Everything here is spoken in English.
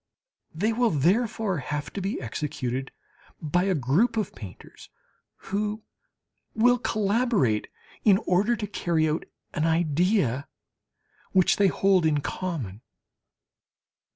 They will therefore have to be executed by a group of painters, who will collaborate in order to carry out an idea which they hold in common.